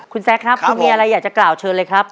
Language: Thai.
คุณแซคครับคุณมีอะไรอยากจะกล่าวเชิญเลยครับ